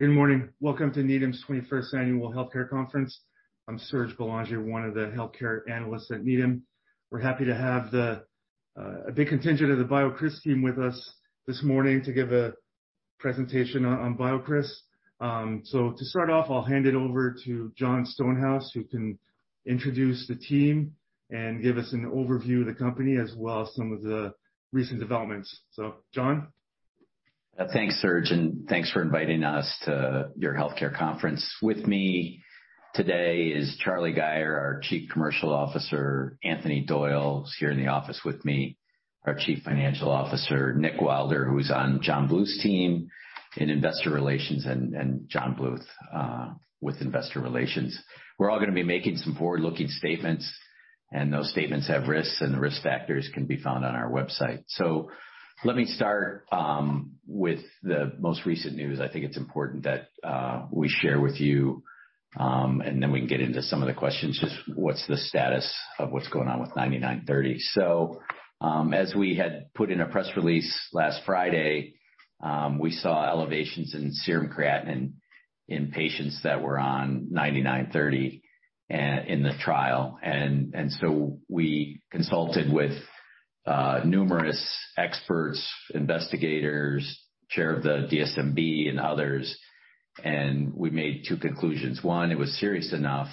Good morning. Welcome to Needham's 21st Annual Healthcare Conference. I'm Serge Belanger, one of the healthcare analysts at Needham. We're happy to have a big contingent of the BioCryst team with us this morning to give a presentation on BioCryst. To start off, I'll hand it over to Jon Stonehouse, who can introduce the team and give us an overview of the company as well as some of the recent developments. Jon. Thanks, Serge, and thanks for inviting us to your healthcare conference. With me today is Charlie Gayer, our Chief Commercial Officer. Anthony Doyle, who's here in the office with me. Our Chief Financial Officer, Nick Wilder, who's on John Bluth's team in investor relations, and John Bluth with investor relations. We're all gonna be making some forward-looking statements, and those statements have risks, and the risk factors can be found on our website. Let me start with the most recent news. I think it's important that we share with you, and then we can get into some of the questions. Just what's the status of what's going on with 99-30. As we had put in a press release last Friday, we saw elevations in serum creatinine in patients that were on 99-30 in the trial. We consulted with numerous experts, investigators, chair of the DSMB and others, and we made two conclusions. One, it was serious enough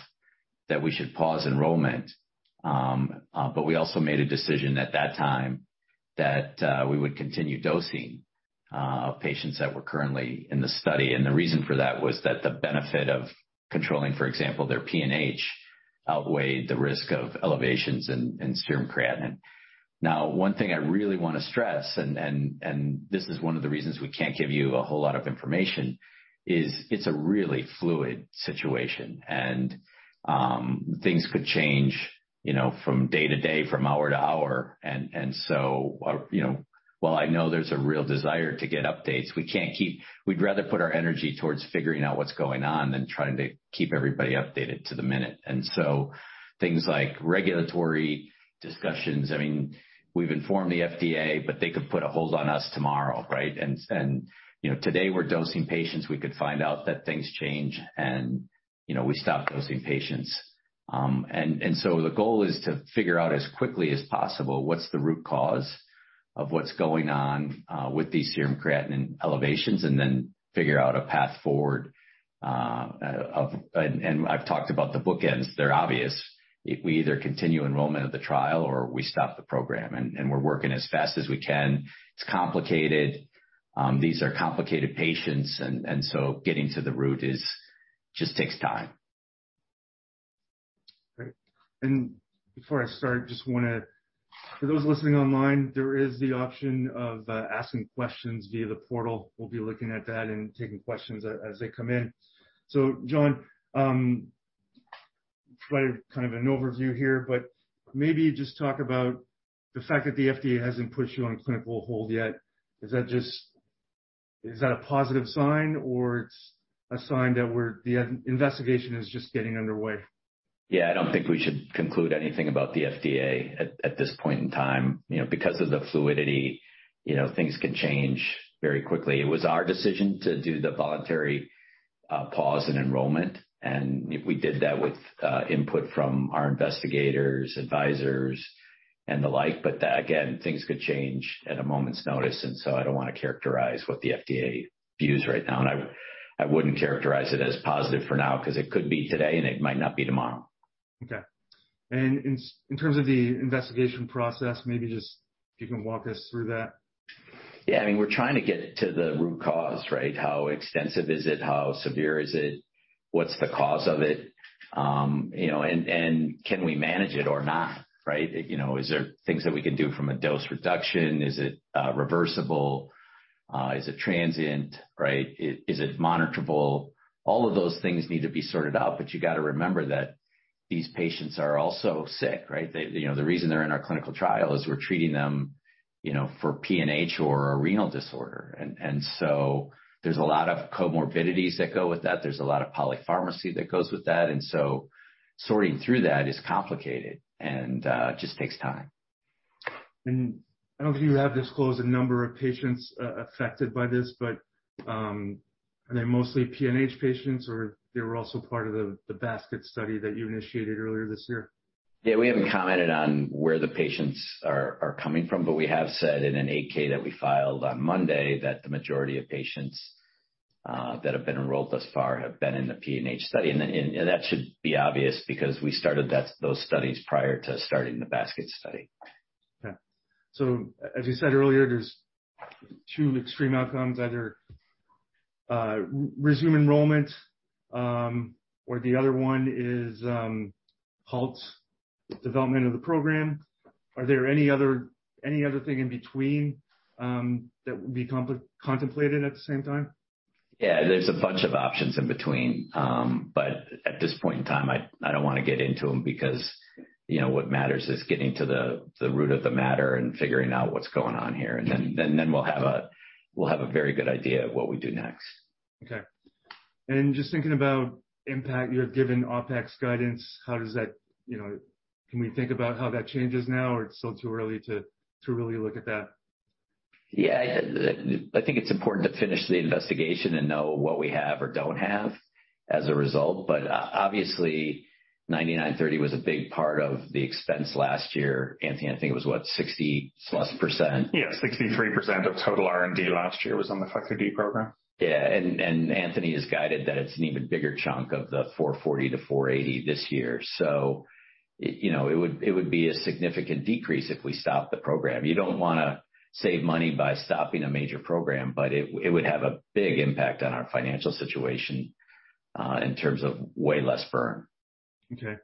that we should pause enrollment. We also made a decision at that time that we would continue dosing of patients that were currently in the study. The reason for that was that the benefit of controlling, for example, their PNH outweighed the risk of elevations in serum creatinine. Now, one thing I really wanna stress, and this is one of the reasons we can't give you a whole lot of information, is it's a really fluid situation. Things could change, you know, from day to day, from hour to hour. You know, while I know there's a real desire to get updates, we'd rather put our energy towards figuring out what's going on than trying to keep everybody updated to the minute. Things like regulatory discussions, I mean, we've informed the FDA, but they could put a hold on us tomorrow, right? You know, today we're dosing patients, we could find out that things change and, you know, we stop dosing patients. The goal is to figure out as quickly as possible what's the root cause of what's going on with these serum creatinine elevations and then figure out a path forward. I've talked about the bookends, they're obvious. We either continue enrollment of the trial or we stop the program. We're working as fast as we can. It's complicated. These are complicated patients, and getting to the root just takes time. Great. Before I start, for those listening online, there is the option of asking questions via the portal. We'll be looking at that and taking questions as they come in. Jon, provide kind of an overview here, but maybe just talk about the fact that the FDA hasn't put you on clinical hold yet. Is that just a positive sign or it's a sign that the investigation is just getting underway? Yeah. I don't think we should conclude anything about the FDA at this point in time. You know, because of the fluidity, you know, things can change very quickly. It was our decision to do the voluntary pause in enrollment, and we did that with input from our investigators, advisors and the like. Again, things could change at a moment's notice, and so I don't wanna characterize what the FDA views right now. I wouldn't characterize it as positive for now 'cause it could be today and it might not be tomorrow. Okay. In terms of the investigation process, maybe just if you can walk us through that. Yeah. I mean, we're trying to get to the root cause, right? How extensive is it? How severe is it? What's the cause of it? You know, and can we manage it or not, right? You know, is there things that we can do from a dose reduction? Is it reversible? Is it transient, right? Is it monitorable? All of those things need to be sorted out, but you gotta remember that these patients are also sick, right? They, you know, the reason they're in our clinical trial is we're treating them, you know, for PNH or a renal disorder. So there's a lot of comorbidities that go with that. There's a lot of polypharmacy that goes with that. Sorting through that is complicated and just takes time. I don't know if you have disclosed the number of patients affected by this, but are they mostly PNH patients or they were also part of the basket study that you initiated earlier this year? Yeah. We haven't commented on where the patients are coming from, but we have said in an 8-K that we filed on Monday that the majority of patients that have been enrolled thus far have been in the PNH study. That should be obvious because we started those studies prior to starting the basket study. Okay. As you said earlier, there's two extreme outcomes. Either resume enrollment or the other one is halt development of the program. Are there any other thing in between that would be contemplated at the same time? Yeah. There's a bunch of options in between. But at this point in time, I don't wanna get into them because, you know, what matters is getting to the root of the matter and figuring out what's going on here. Then we'll have a very good idea of what we do next. Okay. Just thinking about impact, you have given OpEx guidance, how does that, you know, can we think about how that changes now or it's still too early to really look at that? Yeah, I think it's important to finish the investigation and know what we have or don't have as a result. Obviously BCX9930 was a big part of the expense last year. Anthony, I think it was, what? 60%+. Yeah. 63% of total R&D last year was on the Factor D program. Anthony has guided that it's an even bigger chunk of the $440 million-$480 million this year. You know, it would be a significant decrease if we stop the program. You don't wanna save money by stopping a major program, but it would have a big impact on our financial situation in terms of way less burn. Okay.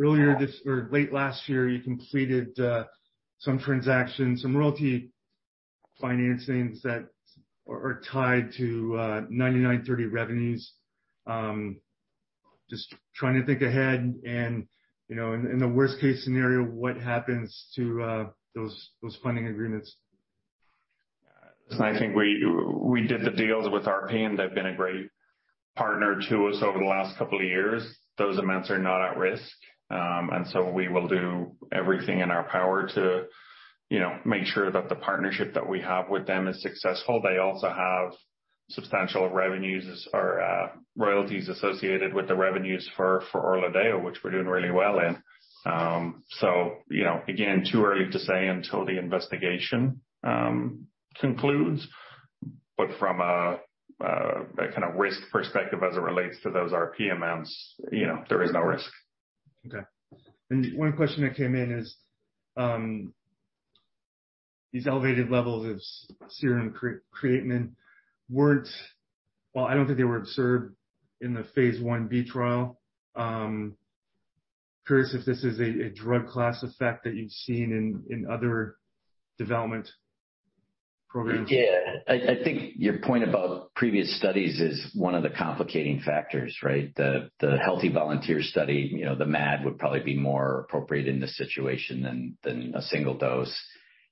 Earlier this year or late last year, you completed some transactions, some royalty financings that are tied to BCX9930 revenues. Just trying to think ahead and, you know, in the worst-case scenario, what happens to those funding agreements? I think we did the deals with RP, and they've been a great partner to us over the last couple of years. Those amounts are not at risk. We will do everything in our power to, you know, make sure that the partnership that we have with them is successful. They also have substantial revenues or royalties associated with the revenues for ORLADEYO, which we're doing really well in. You know, again, too early to say until the investigation concludes. From a kind of risk perspective as it relates to those RP amounts, you know, there is no risk. Okay. One question that came in is these elevated levels of serum creatinine weren't. Well, I don't think they were observed in the Phase 1b trial. Curious if this is a drug class effect that you've seen in other development programs. Yeah. I think your point about previous studies is one of the complicating factors, right? The healthy volunteer study, you know, the MAD would probably be more appropriate in this situation than a single dose.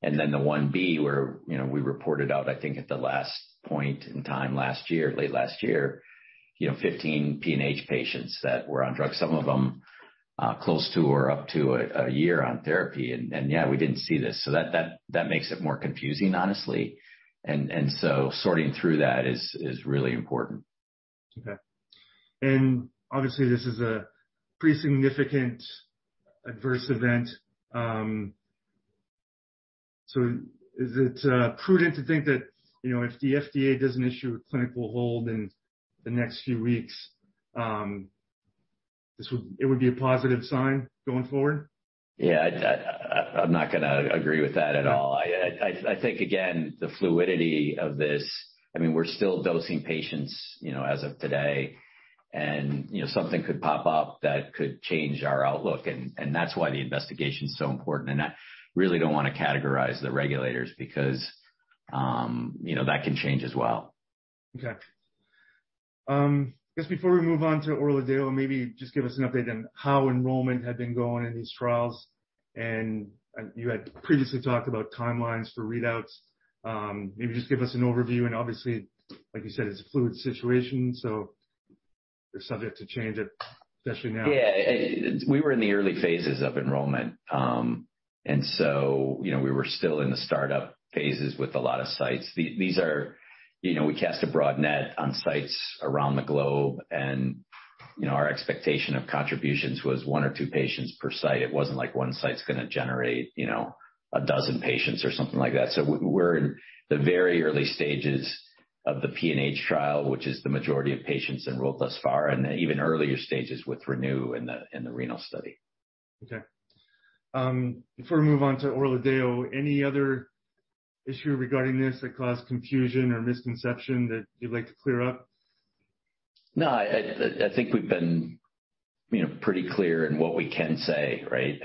The Phase 1b where, you know, we reported out, I think, at the last point in time last year, late last year, you know, 15 PNH patients that were on drugs. Some of them close to or up to a year on therapy. Yeah, we didn't see this. That makes it more confusing, honestly. Sorting through that is really important. Okay. Obviously, this is a pretty significant adverse event. Is it prudent to think that, you know, if the FDA doesn't issue a clinical hold in the next few weeks, it would be a positive sign going forward? Yeah. I'm not gonna agree with that at all. I think, again, the fluidity of this, I mean, we're still dosing patients, you know, as of today. You know, something could pop up that could change our outlook, and that's why the investigation is so important. I really don't wanna categorize the regulators because, you know, that can change as well. Okay. Just before we move on to ORLADEYO, maybe just give us an update on how enrollment had been going in these trials. You had previously talked about timelines for readouts. Maybe just give us an overview. Obviously, like you said, it's a fluid situation, so they're subject to change, especially now. Yeah. We were in the early phases of enrollment. You know, we were still in the startup phases with a lot of sites. These are, you know, we cast a broad net on sites around the globe, and, you know, our expectation of contributions was one or two patients per site. It wasn't like one site's gonna generate, you know, a dozen patients or something like that. We're in the very early stages of the PNH trial, which is the majority of patients enrolled thus far, and even earlier stages with RENEW in the renal study. Okay. Before we move on to ORLADEYO, any other issue regarding this that caused confusion or misconception that you'd like to clear up? No. I think we've been, you know, pretty clear in what we can say, right?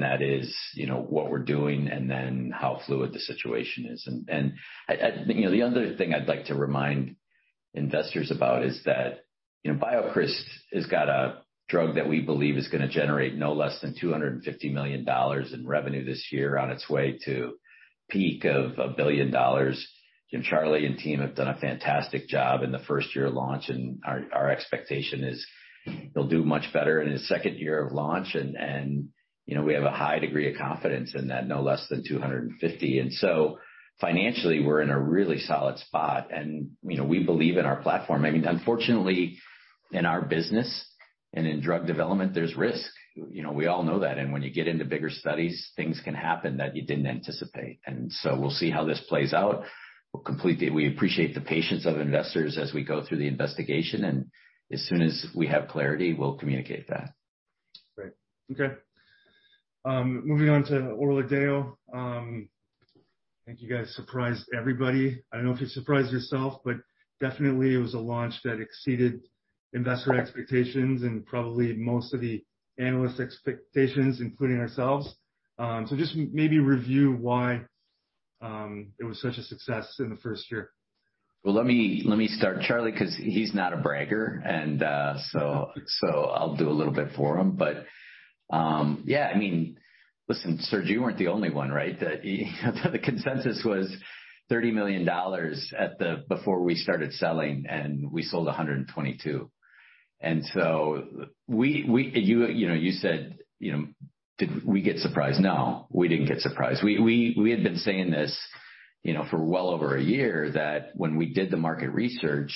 That is, you know, what we're doing and then how fluid the situation is. You know, the other thing I'd like to remind investors about is that, you know, BioCryst has got a drug that we believe is gonna generate no less than $250 million in revenue this year on its way to peak of $1 billion. You know, Charlie and team have done a fantastic job in the first year of launch, and our expectation is he'll do much better in his second year of launch. You know, we have a high degree of confidence in that, no less than $250 million. So financially, we're in a really solid spot. You know, we believe in our platform. I mean, unfortunately, in our business and in drug development, there's risk. You know, we all know that. When you get into bigger studies, things can happen that you didn't anticipate. We'll see how this plays out. We appreciate the patience of investors as we go through the investigation. As soon as we have clarity, we'll communicate that. Great. Okay. Moving on to ORLADEYO. I think you guys surprised everybody. I don't know if you surprised yourself, but definitely it was a launch that exceeded investor expectations and probably most of the analyst expectations, including ourselves. Just maybe review why it was such a success in the first year. Well, let me start Charlie, 'cause he's not a bragger. I'll do a little bit for him. Yeah, I mean, listen, Serge, you weren't the only one, right? You know, the consensus was $30 million before we started selling, and we sold $122 million. We know, you said, you know, did we get surprised? No. We didn't get surprised. We had been saying this. You know, for well over a year that when we did the market research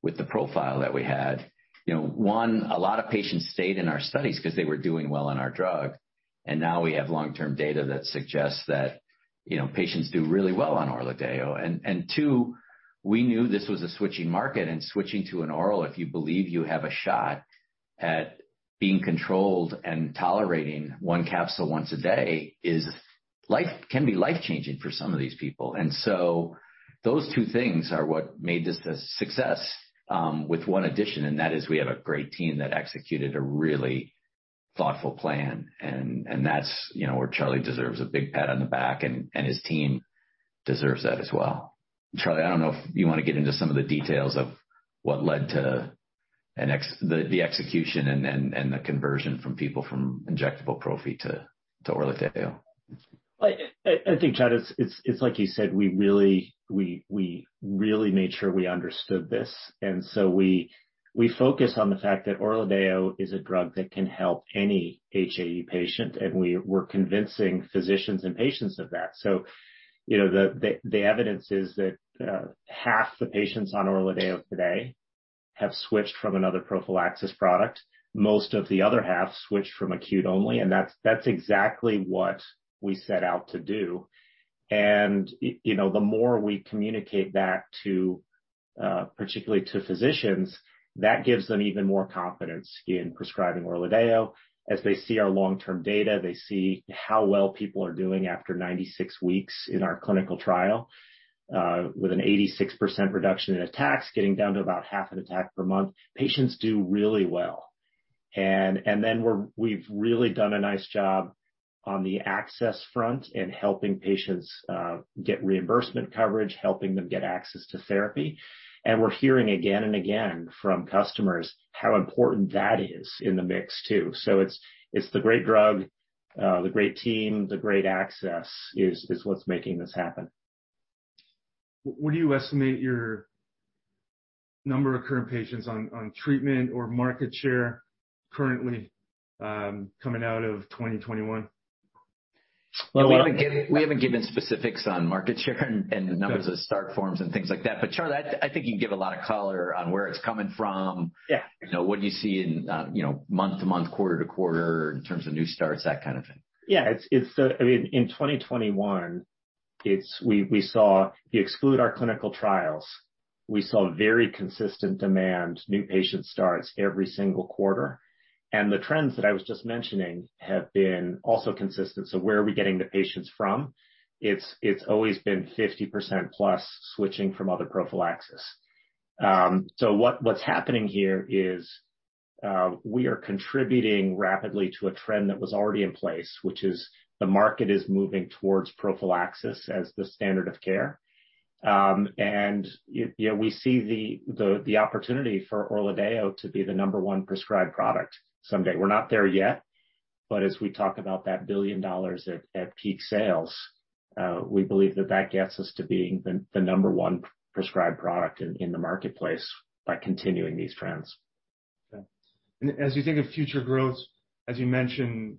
with the profile that we had, you know, one, a lot of patients stayed in our studies 'cause they were doing well on our drug. Now we have long-term data that suggests that, you know, patients do really well on ORLADEYO. Two, we knew this was a switching market, and switching to an oral if you believe you have a shot at being controlled and tolerating one capsule once a day can be life-changing for some of these people. Those two things are what made this a success, with one addition, and that is we have a great team that executed a really thoughtful plan. That's, you know, where Charlie deserves a big pat on the back, and his team deserves that as well. Charlie, I don't know if you wanna get into some of the details of what led to the execution and the conversion from people from injectable prophy to ORLADEYO. I think, Serge, it's like you said. We really made sure we understood this. We focus on the fact that ORLADEYO is a drug that can help any HAE patient, and we're convincing physicians and patients of that. You know, the evidence is that half the patients on ORLADEYO today have switched from another prophylaxis product. Most of the other half switched from acute-only, and that's exactly what we set out to do. You know, the more we communicate that to particularly to physicians, that gives them even more confidence in prescribing ORLADEYO. As they see our long-term data, they see how well people are doing after 96 weeks in our clinical trial, with an 86% reduction in attacks, getting down to about half an attack per month. Patients do really well. We've really done a nice job on the access front in helping patients get reimbursement coverage, helping them get access to therapy. We're hearing again and again from customers how important that is in the mix too. It's the great drug, the great team, the great access that's making this happen. What do you estimate your number of current patients on treatment or market share currently, coming out of 2021? Well, we haven't given specifics on market share and the numbers of start forms and things like that. Charlie, I think you can give a lot of color on where it's coming from. Yeah. You know, what do you see in, you know, month-to-month, quarter-to-quarter in terms of new starts, that kind of thing? Yeah. I mean, in 2021 we saw if you exclude our clinical trials very consistent demand, new patient starts every single quarter. The trends that I was just mentioning have been also consistent. Where are we getting the patients from? It's always been 50% plus switching from other prophylaxis. What's happening here is we are contributing rapidly to a trend that was already in place, which is the market is moving towards prophylaxis as the standard of care. You know, we see the opportunity for ORLADEYO to be the number one prescribed product someday. We're not there yet. As we talk about that $1 billion at peak sales, we believe that gets us to being the number one prescribed product in the marketplace by continuing these trends. Okay. As you think of future growth, as you mentioned,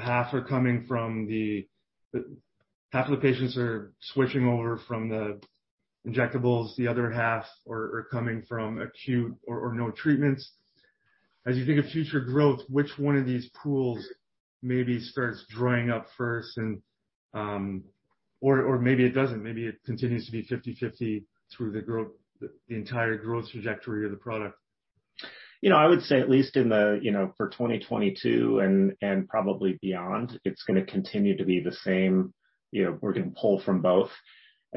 half of the patients are switching over from the injectables, the other half are coming from acute or no treatments. As you think of future growth, which one of these pools maybe starts drying up first and, or maybe it doesn't, maybe it continues to be 50/50 through the entire growth trajectory of the product. You know, I would say at least in the, you know, for 2022 and probably beyond, it's gonna continue to be the same. You know, we're gonna pull from both.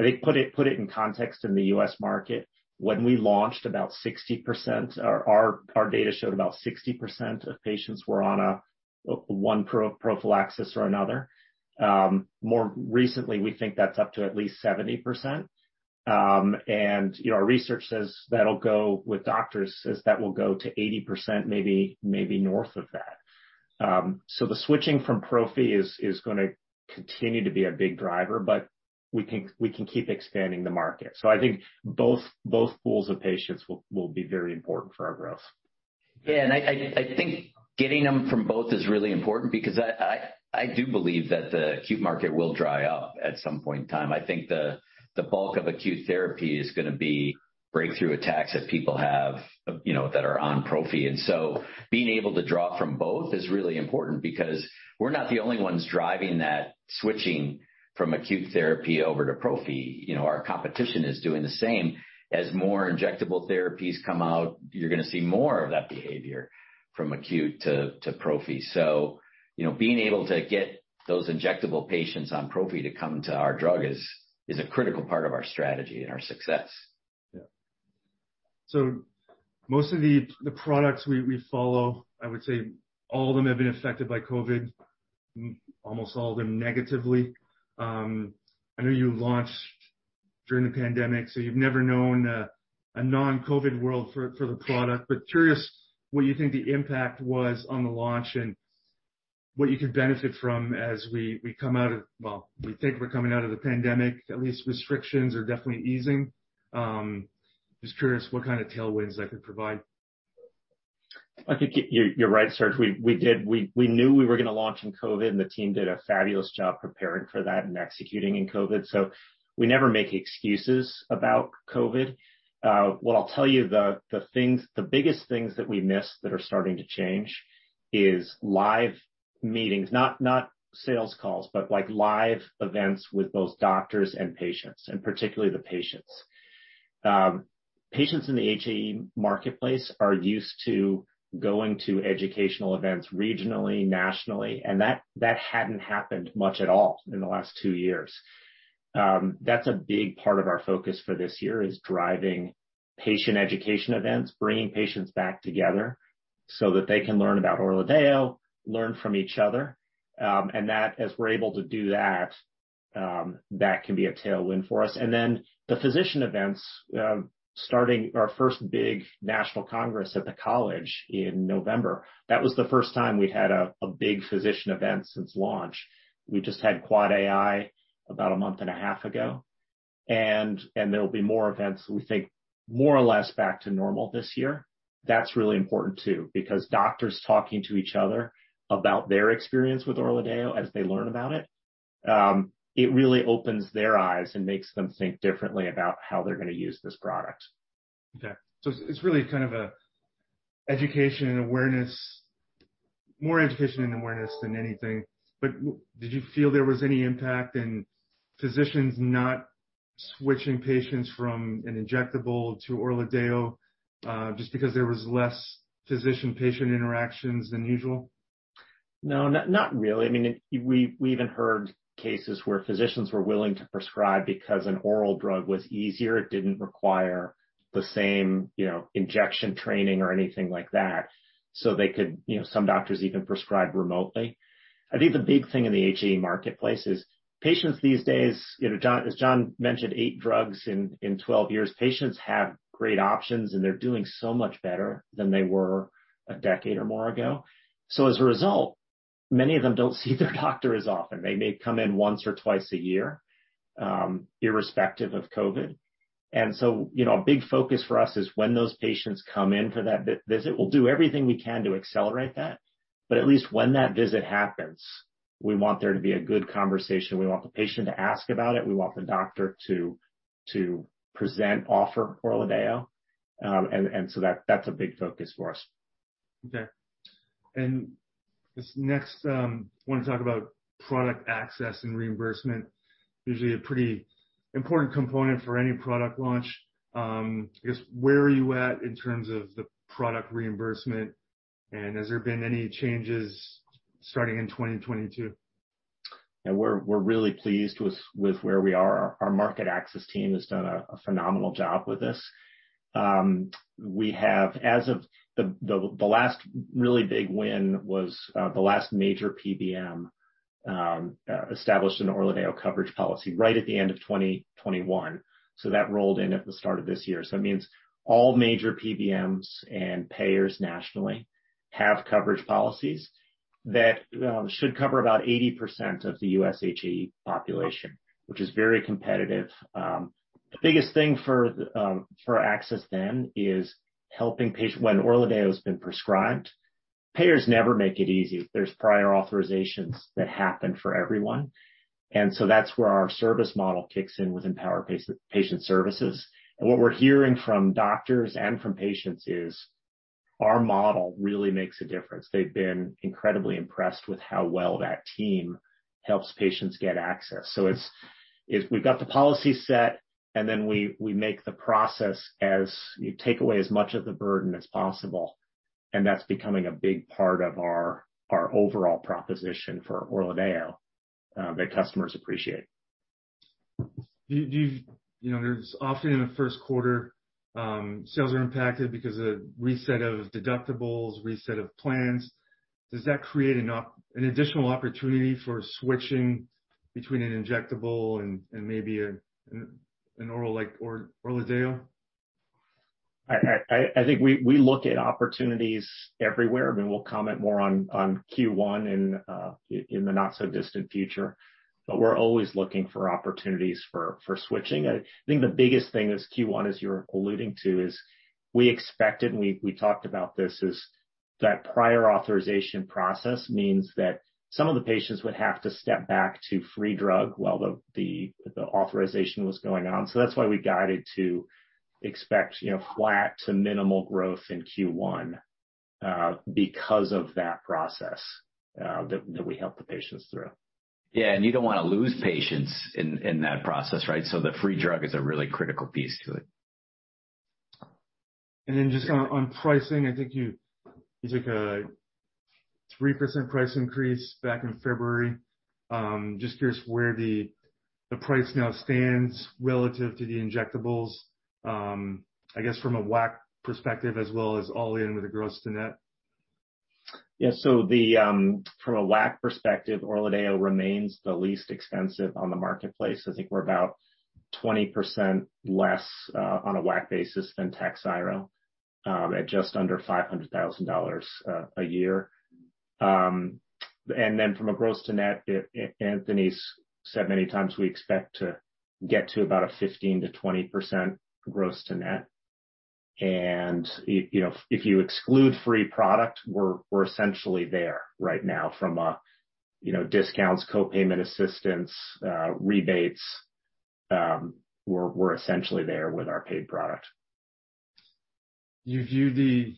I think put it in context in the U.S. market, when we launched about 60%. Our data showed about 60% of patients were on one prophylaxis or another. More recently, we think that's up to at least 70%. And, you know, our research says that'll go with doctors that will go to 80%, maybe north of that. So the switching from prophy is gonna continue to be a big driver, but we can keep expanding the market. So I think both pools of patients will be very important for our growth. Yeah. I think getting them from both is really important because I do believe that the acute market will dry up at some point in time. I think the bulk of acute therapy is gonna be breakthrough attacks that people have, you know, that are on prophy. Being able to draw from both is really important because we're not the only ones driving that switching from acute therapy over to prophy. You know, our competition is doing the same. As more injectable therapies come out, you're gonna see more of that behavior from acute to prophy. You know, being able to get those injectable patients on prophy to come to our drug is a critical part of our strategy and our success. Yeah. Most of the products we follow, I would say all of them have been affected by COVID, almost all of them negatively. I know you launched during the pandemic, so you've never known a non-COVID world for the product, but curious what you think the impact was on the launch and what you could benefit from as we come out of. Well, we think we're coming out of the pandemic, at least restrictions are definitely easing. Just curious what kind of tailwinds that could provide. I think you're right, Serge. We knew we were gonna launch in COVID, and the team did a fabulous job preparing for that and executing in COVID. We never make excuses about COVID. What I'll tell you the biggest things that we miss that are starting to change is live meetings, not sales calls, but like live events with both doctors and patients, and particularly the patients. Patients in the HAE marketplace are used to going to educational events regionally, nationally, and that hadn't happened much at all in the last two years. That's a big part of our focus for this year is driving patient education events, bringing patients back together so that they can learn about ORLADEYO, learn from each other. that as we're able to do that can be a tailwind for us. The physician events, starting our first big national congress at the college in November. That was the first time we'd had a big physician event since launch. We just had Quad AI about a month and a half ago, and there'll be more events, we think more or less back to normal this year. That's really important too, because doctors talking to each other about their experience with ORLADEYO as they learn about it really opens their eyes and makes them think differently about how they're gonna use this product. Okay. It's really kind of a education and awareness, more education and awareness than anything. Did you feel there was any impact in physicians not switching patients from an injectable to ORLADEYO, just because there was less physician-patient interactions than usual? No, not really. I mean, we even heard cases where physicians were willing to prescribe because an oral drug was easier. It didn't require the same, you know, injection training or anything like that. So they could, you know, some doctors even prescribed remotely. I think the big thing in the HAE marketplace is patients these days, you know, as John mentioned, 8 drugs in 12 years, patients have great options, and they're doing so much better than they were a decade or more ago. So as a result, many of them don't see their doctor as often. They may come in once or twice a year, irrespective of COVID. You know, a big focus for us is when those patients come in for that visit, we'll do everything we can to accelerate that. At least when that visit happens, we want there to be a good conversation. We want the patient to ask about it. We want the doctor to present, offer ORLADEYO. So that that's a big focus for us. Okay. This next, wanna talk about product access and reimbursement. Usually a pretty important component for any product launch. I guess, where are you at in terms of the product reimbursement, and has there been any changes starting in 2022? Yeah. We're really pleased with where we are. Our market access team has done a phenomenal job with this. We have as of the last really big win was the last major PBM established an ORLADEYO coverage policy right at the end of 2021. That rolled in at the start of this year. It means all major PBMs and payers nationally have coverage policies that should cover about 80% of the U.S. HAE population, which is very competitive. The biggest thing for access then is helping patient when ORLADEYO has been prescribed, payers never make it easy. There's prior authorizations that happen for everyone. That's where our service model kicks in with EMPOWER Patient Services. What we're hearing from doctors and from patients is our model really makes a difference. They've been incredibly impressed with how well that team helps patients get access. It's that we've got the policy set, and then we make the process so you take away as much of the burden as possible, and that's becoming a big part of our overall proposition for ORLADEYO that customers appreciate. Do you know, there's often in the first quarter, sales are impacted because of reset of deductibles, reset of plans. Does that create an additional opportunity for switching between an injectable and maybe an oral like ORLADEYO? I think we look at opportunities everywhere. I mean, we'll comment more on Q1 in the not so distant future, but we're always looking for opportunities for switching. I think the biggest thing is Q1, as you're alluding to, is we expected, and we talked about this, is that prior authorization process means that some of the patients would have to step back to free drug while the authorization was going on. So that's why we guided to expect, you know, flat to minimal growth in Q1, because of that process that we help the patients through. Yeah. You don't wanna lose patients in that process, right? The free drug is a really critical piece to it. Just on pricing, I think you took a 3% price increase back in February. Just curious where the price now stands relative to the injectables, I guess from a WAC perspective as well as all-in with the gross to net. Yeah. From a WAC perspective, ORLADEYO remains the least expensive on the marketplace. I think we're about 20% less on a WAC basis than TAKHZYRO at just under $500,000 a year. Then from a gross to net, Anthony's said many times we expect to get to about a 15%-20% gross to net. You know, if you exclude free product, we're essentially there right now from a you know, discounts, co-payment assistance, rebates, we're essentially there with our paid product. You view the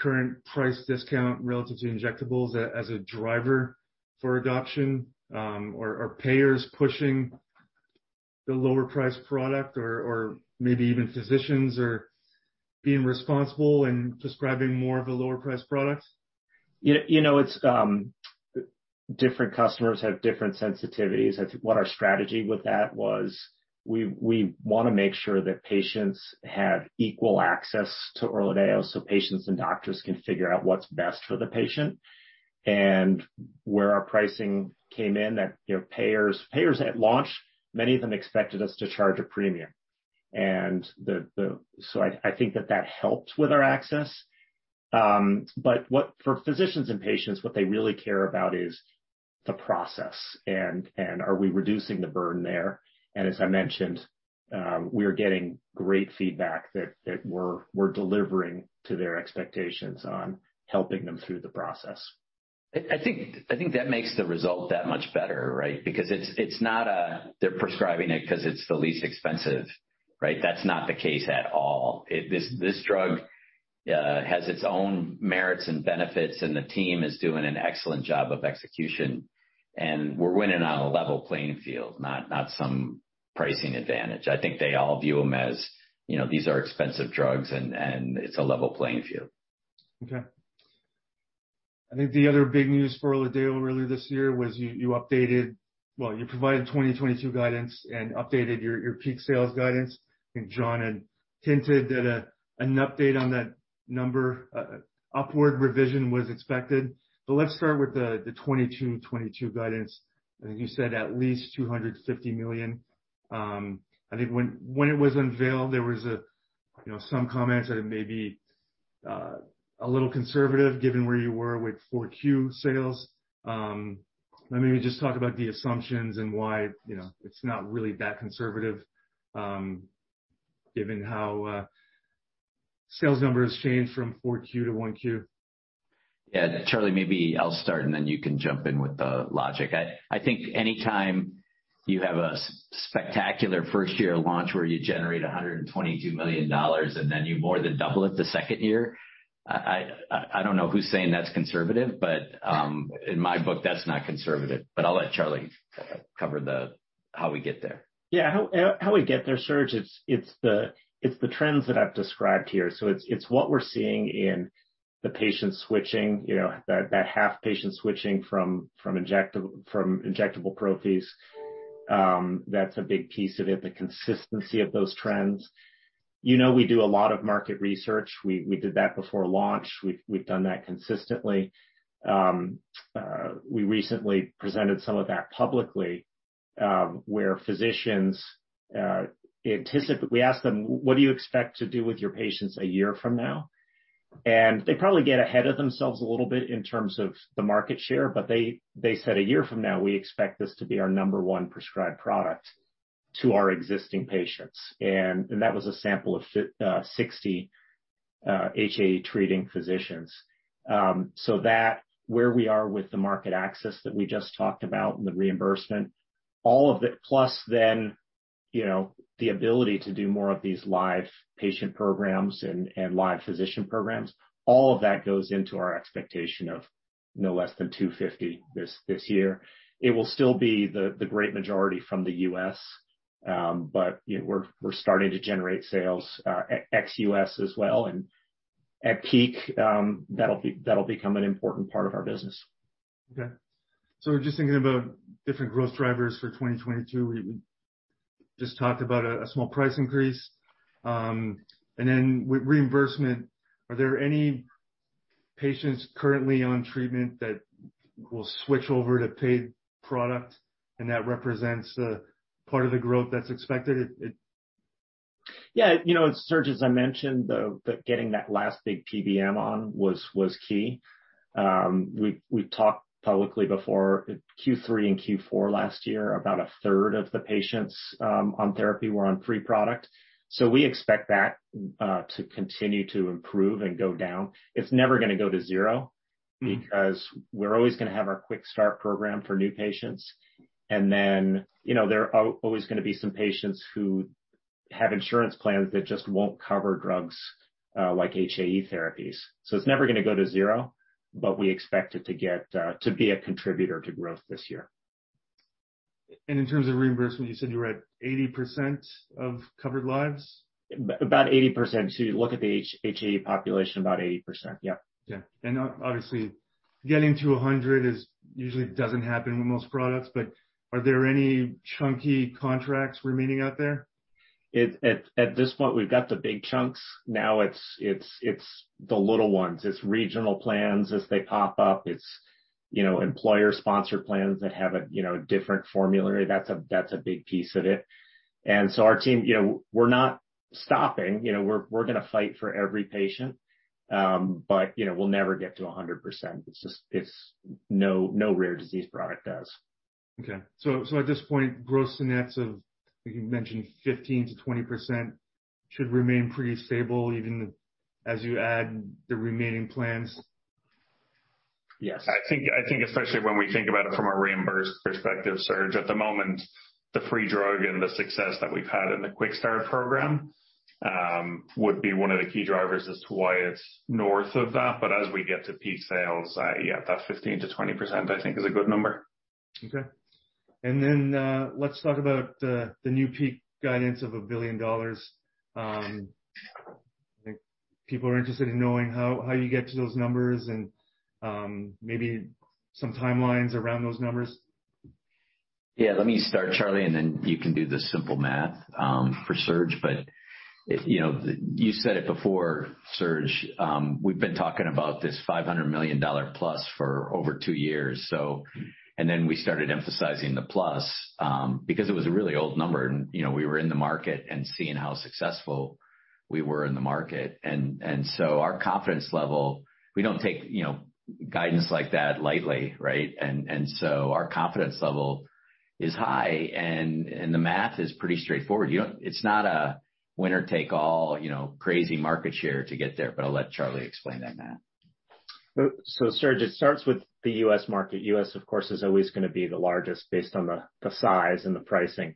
current price discount relative to injectables as a driver for adoption, or are payers pushing the lower priced product or maybe even physicians are being responsible and prescribing more of the lower priced products? You know, it's different customers have different sensitivities. I think what our strategy with that was we wanna make sure that patients have equal access to ORLADEYO so patients and doctors can figure out what's best for the patient. Where our pricing came in, you know, payers at launch, many of them expected us to charge a premium. I think that helped with our access. For physicians and patients, what they really care about is the process and are we reducing the burden there. As I mentioned, we are getting great feedback that we're delivering to their expectations on helping them through the process. I think that makes the result that much better, right? Because it's not that they're prescribing it 'cause it's the least expensive, right? That's not the case at all. This drug has its own merits and benefits, and the team is doing an excellent job of execution. We're winning on a level playing field, not some pricing advantage. I think they all view them as, you know, these are expensive drugs and it's a level playing field. Okay. I think the other big news for ORLADEYO earlier this year was you updated. Well, you provided 2022 guidance and updated your peak sales guidance. I think John had hinted that an update on that number, upward revision was expected. Let's start with the 2022 guidance. I think you said at least $250 million. I think when it was unveiled, there was you know, some comments that it may be a little conservative given where you were with Q4 sales. Let me just talk about the assumptions and why, you know, it's not really that conservative, given how sales numbers change from Q4 to Q1. Yeah. Charlie, maybe I'll start, and then you can jump in with the logic. I think anytime you have a spectacular first year launch where you generate $122 million, and then you more than double it the second year, I don't know who's saying that's conservative, but in my book, that's not conservative. I'll let Charlie cover the how we get there. Yeah. How we get there, Serge, it's the trends that I've described here. It's what we're seeing in the patients switching, you know. That half the patients switching from injectable prophys. That's a big piece of it, the consistency of those trends. You know, we do a lot of market research. We did that before launch. We've done that consistently. We recently presented some of that publicly, where physicians... We asked them, "What do you expect to do with your patients a year from now?" They probably get ahead of themselves a little bit in terms of the market share, but they said, "A year from now, we expect this to be our number one prescribed product to our existing patients." That was a sample of 60 HAE treating physicians. That's where we are with the market access that we just talked about and the reimbursement, all of it plus then, you know, the ability to do more of these live patient programs and live physician programs, all of that goes into our expectation of no less than $250 million this year. It will still be the great majority from the U.S., but you know, we're starting to generate sales ex-U.S. as well. At peak, that'll become an important part of our business. Okay. Just thinking about different growth drivers for 2022, we just talked about a small price increase. With reimbursement, are there any patients currently on treatment that will switch over to paid product and that represents the part of the growth that's expected? Yeah. You know, Serge, as I mentioned, the getting that last big PBM on was key. We talked publicly before Q3 and Q4 last year, about a third of the patients on therapy were on free product. We expect that to continue to improve and go down. It's never gonna go to zero. Because we're always gonna have our Quick Start program for new patients. You know, there are always gonna be some patients who have insurance plans that just won't cover drugs like HAE therapies. It's never gonna go to zero, but we expect it to get to be a contributor to growth this year. In terms of reimbursement, you said you were at 80% of covered lives? About 80%. You look at the HAE population, about 80%. Yeah. Yeah. Obviously, getting to 100 usually doesn't happen with most products, but are there any chunky contracts remaining out there? At this point, we've got the big chunks. Now it's the little ones. It's regional plans as they pop up. It's, you know, employer sponsored plans that have a, you know, different formulary. That's a big piece of it. Our team, you know, we're gonna fight for every patient, but, you know, we'll never get to 100%. It's just no rare disease product does. At this point, gross-to-net of 15%-20% should remain pretty stable even as you add the remaining plans? Yes. I think especially when we think about it from a reimbursement perspective, Serge, at the moment, the free drug and the success that we've had in the Quick Start program would be one of the key drivers as to why it's north of that. As we get to peak sales, yeah, that 15%-20%, I think is a good number. Okay. Let's talk about the new peak guidance of $1 billion. People are interested in knowing how you get to those numbers and maybe some timelines around those numbers. Yeah. Let me start, Charlie, and then you can do the simple math for Serge. You know, you said it before, Serge. We've been talking about this $500 million plus for over two years, so we started emphasizing the plus because it was a really old number and, you know, we were in the market and seeing how successful we were in the market. Our confidence level. We don't take guidance like that lightly, right? Our confidence level is high and the math is pretty straightforward. You know, it's not a winner-take-all crazy market share to get there, but I'll let Charlie explain that math. Serge, it starts with the U.S. market. U.S., of course, is always gonna be the largest based on the size and the pricing.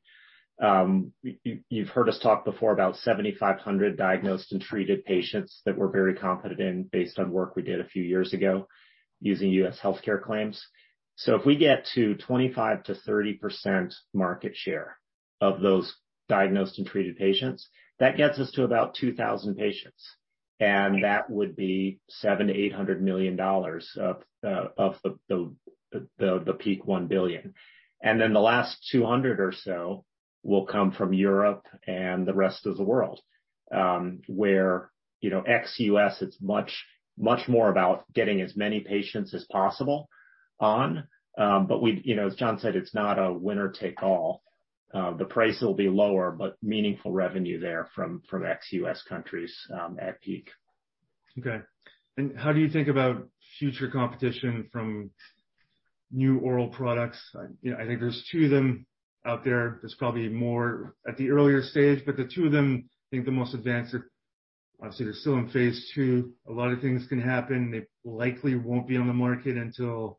You've heard us talk before about 7,500 diagnosed and treated patients that we're very confident in based on work we did a few years ago using U.S. healthcare claims. If we get to 25%-30% market share of those diagnosed and treated patients, that gets us to about 2,000 patients, and that would be $700 million-$800 million of the peak $1 billion. The last 200 or so will come from Europe and the rest of the world, where you know, ex-U.S., it's much more about getting as many patients as possible on. But you know, as Jon said, it's not a winner take all. The price will be lower, but meaningful revenue there from ex-U.S. countries at peak. Okay. How do you think about future competition from new oral products? You know, I think there's two of them out there. There's probably more at the earlier stage, but the two of them, I think the most advanced are obviously they're still in Phase 2. A lot of things can happen. They likely won't be on the market until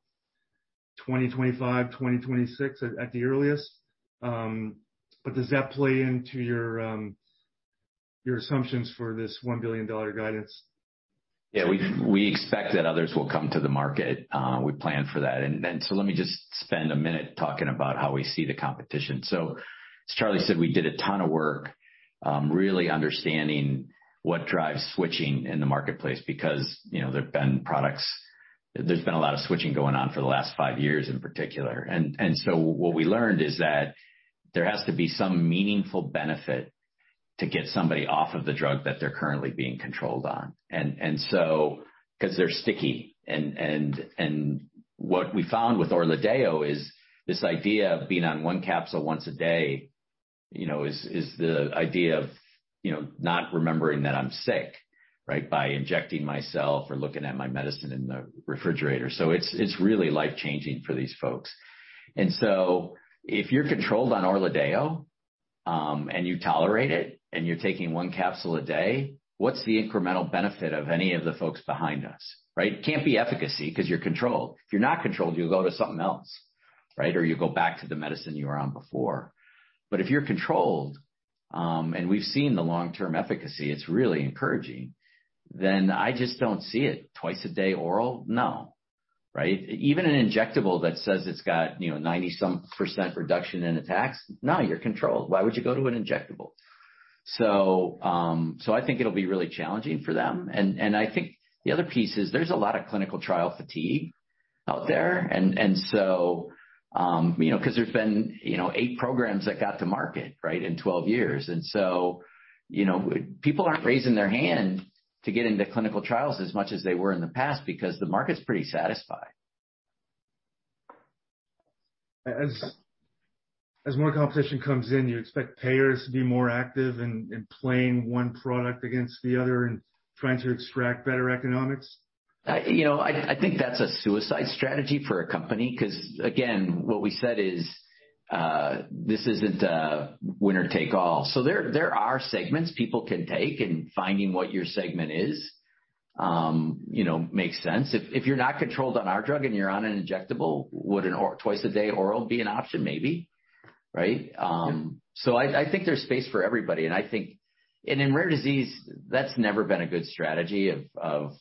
2025, 2026 at the earliest. But does that play into your assumptions for this $1 billion guidance? Yeah. We expect that others will come to the market. We plan for that. Let me just spend a minute talking about how we see the competition. As Charlie said, we did a ton of work, really understanding what drives switching in the marketplace because, you know, there's been a lot of switching going on for the last five years in particular. What we learned is that there has to be some meaningful benefit to get somebody off of the drug that they're currently being controlled on. Because they're sticky and what we found with ORLADEYO is this idea of being on one capsule once a day, you know, is the idea of, you know, not remembering that I'm sick, right? By injecting myself or looking at my medicine in the refrigerator. It's really life-changing for these folks. If you're controlled on ORLADEYO, and you tolerate it and you're taking one capsule a day, what's the incremental benefit of any of the folks behind us, right? It can't be efficacy 'cause you're controlled. If you're not controlled, you'll go to something else, right? You go back to the medicine you were on before. If you're controlled, and we've seen the long-term efficacy, it's really encouraging, then I just don't see it twice a day oral. No. Right? Even an injectable that says it's got, you know, 90% some reduction in attacks, no, you're controlled. Why would you go to an injectable? I think it'll be really challenging for them. I think the other piece is there's a lot of clinical trial fatigue out there. You know, 'cause there's been, you know, 8 programs that got to market, right? In 12 years. You know, people aren't raising their hand to get into clinical trials as much as they were in the past because the market's pretty satisfied. As more competition comes in, do you expect payers to be more active in playing one product against the other and trying to extract better economics? You know, I think that's a suicide strategy for a company 'cause again, what we said is, this isn't a winner take all. There are segments people can take and finding what your segment is, you know, makes sense. If you're not controlled on our drug and you're on an injectable, would an oral twice a day oral be an option? Maybe. Right? I think there's space for everybody, and I think and in rare disease, that's never been a good strategy of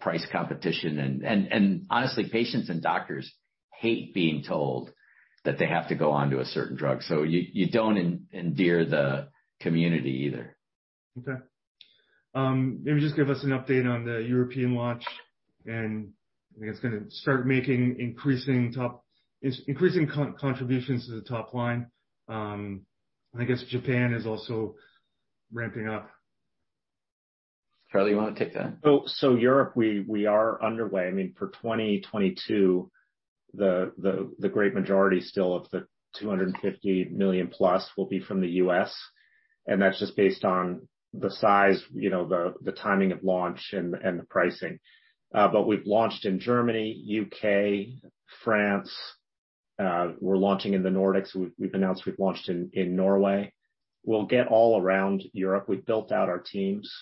price competition and honestly, patients and doctors hate being told that they have to go onto a certain drug. You don't endear the community either. Okay. Maybe just give us an update on the European launch, and I think it's gonna start making increasing contributions to the top line. I guess Japan is also ramping up. Charlie, you wanna take that? Europe, we are underway. I mean, for 2022, the great majority still of the $250 million plus will be from the U.S., and that's just based on the size, you know, the timing of launch and the pricing. But we've launched in Germany, U.K., France, we're launching in the Nordics. We've announced we've launched in Norway. We'll get all around Europe. We've built out our teams.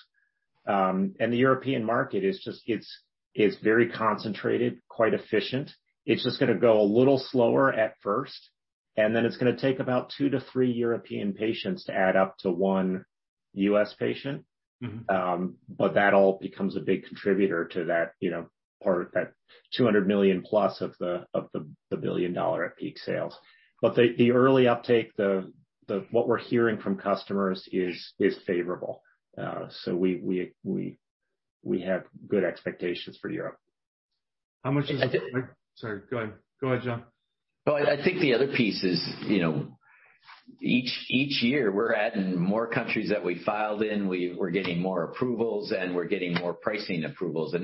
And the European market is just—it's very concentrated, quite efficient. It's just gonna go a little slower at first, and then it's gonna take about two to three European patients to add up to one U.S. patient. That all becomes a big contributor to that, you know, part, that $200 million plus of the $1 billion at peak sales. The early uptake, what we're hearing from customers, is favorable. We have good expectations for Europe. How much is- I think- Sorry, go ahead. Go ahead, Jon. No, I think the other piece is, you know, each year we're adding more countries that we filed in, we're getting more approvals, and we're getting more pricing approvals.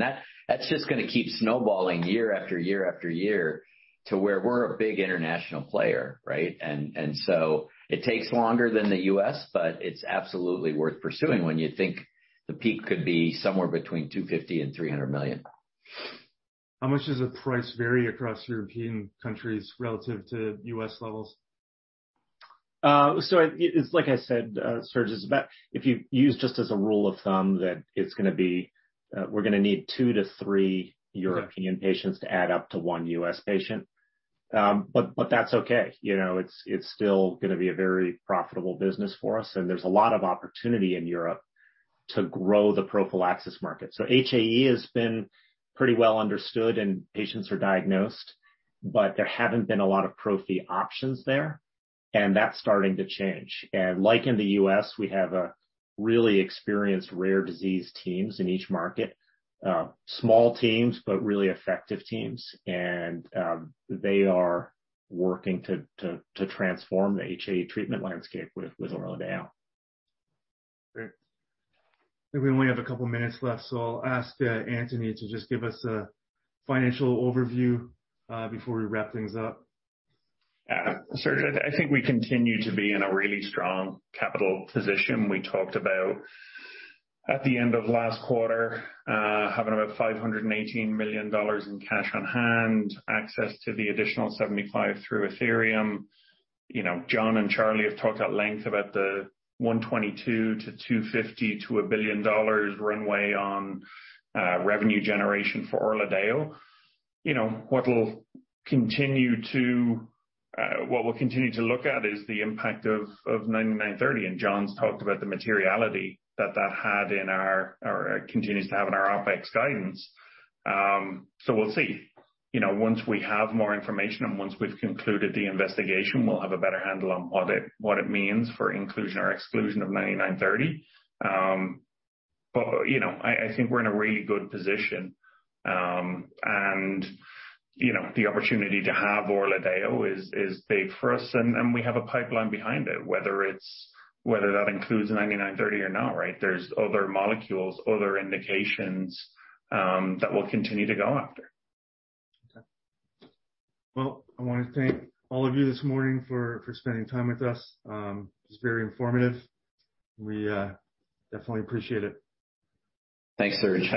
That's just gonna keep snowballing year after year after year to where we're a big international player, right? It takes longer than the U.S., but it's absolutely worth pursuing when you think the peak could be somewhere between $250 million and $300 million. How much does the price vary across European countries relative to U.S. levels? It's like I said, Serge, it's about if you use just as a rule of thumb that it's gonna be we're gonna need two to three European patients to add up to one U.S. patient. That's okay. You know, it's still gonna be a very profitable business for us, and there's a lot of opportunity in Europe to grow the prophy market. HAE has been pretty well understood and patients are diagnosed, but there haven't been a lot of prophy options there, and that's starting to change. Like in the U.S., we have really experienced rare disease teams in each market. Small teams, but really effective teams. They are working to transform the HAE treatment landscape with ORLADEYO. Great. I think we only have a couple of minutes left, so I'll ask Anthony to just give us a financial overview before we wrap things up. Yeah. Serge, I think we continue to be in a really strong capital position. We talked about at the end of last quarter having about $518 million in cash on hand, access to the additional $75 million through Athyrium. You know, John and Charlie have talked at length about the $122 million-$250 million to $1 billion runway on revenue generation for ORLADEYO. You know, what we'll continue to look at is the impact of BCX9930, and Jon's talked about the materiality that that had in our or continues to have in our OPEX guidance. We'll see. You know, once we have more information and once we've concluded the investigation, we'll have a better handle on what it means for inclusion or exclusion of BCX9930. You know, I think we're in a really good position. You know, the opportunity to have ORLADEYO is big for us, and we have a pipeline behind it, whether that includes BCX9930 or not, right? There's other molecules, other indications, that we'll continue to go after. Okay. Well, I wanna thank all of you this morning for spending time with us. It's very informative. We definitely appreciate it. Thanks, Serge.